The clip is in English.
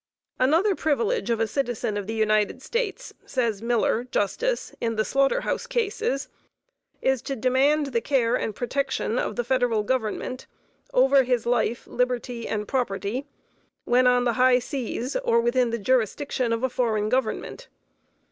Another privilege of a citizen of the United States, says Miller, Justice, in the "Slaughter House" cases, is to demand the care and protection of the Federal Government over his life, liberty and property when on the high seas or within the jurisdiction of a foreign government.